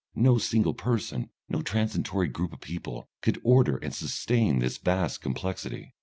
No single person, no transitory group of people, could order and sustain this vast complexity.